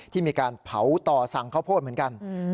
ที่มีการเผาต่อสั่งข้าวโพดเหมือนกัน